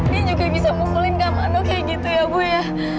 dia juga bisa mukulin kak mano kayak gitu ya ibu ya